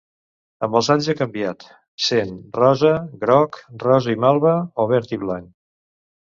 Amb els anys ha canviat, sent rosa, groc, rosa i malva o verd i blanc.